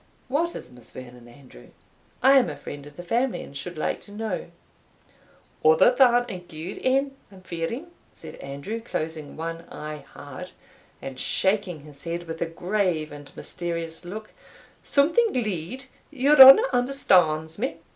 "What is Miss Vernon, Andrew? I am a friend of the family, and should like to know." "Other than a gude ane, I'm fearing," said Andrew, closing one eye hard, and shaking his head with a grave and mysterious look "something glee'd your honour understands me?"